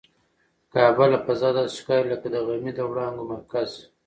کعبه له فضا داسې ښکاري لکه د غمي د وړانګو مرکز.